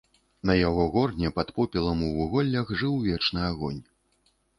На яго горне пад попелам у вуголлях жыў вечны агонь.